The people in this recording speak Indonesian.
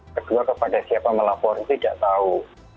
kedua kepada siapa melapor itu tidak tahu